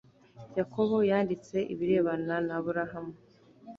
yakobo yanditse ibirebana na aburahamu